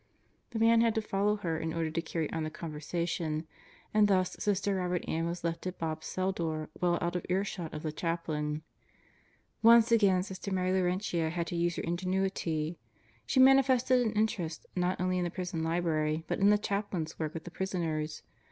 The man had to follow her in order to carry on the conversation, and thus Sister Robert Ann was left at Bob's cell door well out of earshot of the chaplain. Once again Sister Mary Laurentia had to use her ingenuity. She manifested an interest not only in the prison library but in the chaplain's work with the prisoners.